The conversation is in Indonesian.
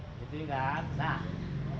untuk mengiringi vokalis nyanyi